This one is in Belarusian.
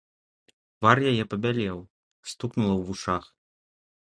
Твар яе пабялеў, стукнула ў вушах.